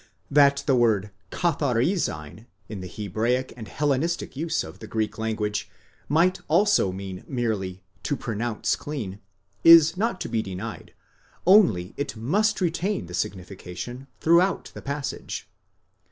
That the word xafapi{ew in the Hebraic and Hellenistic use of the Greek language, might also mean merely 20 pro nounce clean is not to be denied, only it must retain the signification throughout the passage.